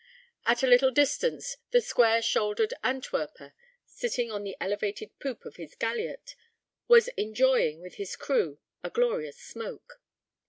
At a little distance, the square shouldered Antwerper, sitting on the elevated poop of his galliot, was enjoying, with his crew, a glorious smoke.